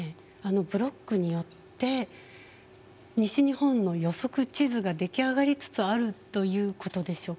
ブロックによって西日本の予測地図が出来上がりつつあるということでしょうか。